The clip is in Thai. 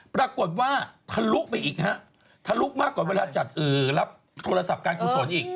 ปรากฏว่าทะลุไปอีกฮะทะลุมากกว่าเวลาจัดรับโทรศัพท์การกุศลอีก